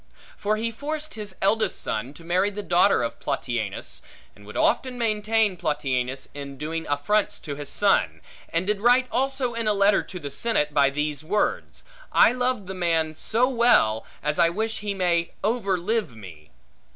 For he forced his eldest son to marry the daughter of Plautianus; and would often maintain Plautianus, in doing affronts to his son; and did write also in a letter to the senate, by these words: I love the man so well, as I wish he may over live me.